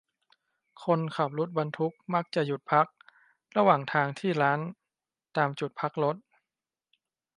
คนขับรถบรรทุกมักจะหยุดพักระหว่างทางที่ร้านตามจุดพักรถ